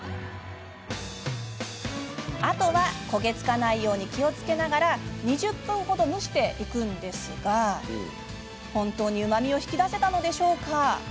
あとは焦げ付かないように気をつけながら２０分程、蒸していくんですが本当に、うまみを引き出せたのでしょうか？